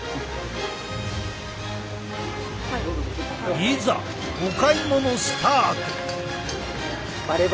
いざお買い物スタート！